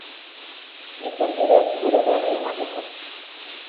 Hitzen bidez gure berri emateko.